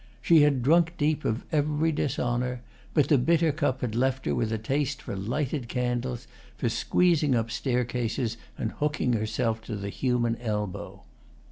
She had drunk deep of every dishonour, but the bitter cup had left her with a taste for lighted candles, for squeezing up staircases and hooking herself to the human elbow.